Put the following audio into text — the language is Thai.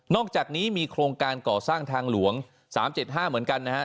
อกจากนี้มีโครงการก่อสร้างทางหลวง๓๗๕เหมือนกันนะฮะ